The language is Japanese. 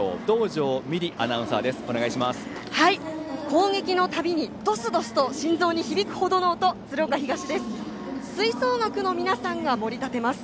攻撃のたびにどすどすと心臓に響くほどの音鶴岡東です。